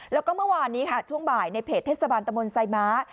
แล้วก็เมื่อวานนี้ค่ะช่วงบ่ายในเพจเทศบาลตะมนต์ไซม้า